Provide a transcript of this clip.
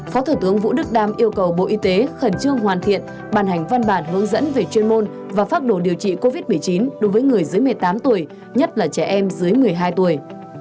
phó thủ tướng vũ đức đam yêu cầu bộ y tế khẩn trương hoàn thiện bàn hành văn bản hướng dẫn về chuyên môn và phác đồ điều trị covid một mươi chín đối với người dưới một mươi tám tuổi nhất là trẻ em dưới một mươi hai tuổi